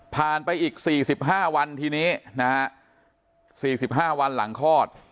ผ่านไปอีกสี่สิบห้าวันทีนี้นะฮะสี่สิบห้าวันหลังคลอด